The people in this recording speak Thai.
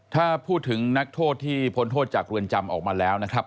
ถ้าพูดถึงนักโทษที่พ้นโทษจากเรือนจำออกมาแล้วนะครับ